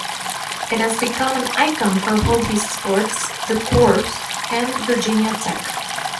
It has become an icon for Hokies sports, the Corps, and Virginia Tech.